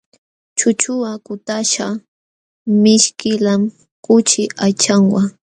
Chuchuqa kutaśhqa mishkillam kuchi aychanwa.